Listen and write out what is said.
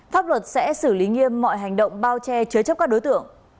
pháp luật sẽ xử lý nghiêm mọi hành động bao che chứa chấp các đối tượng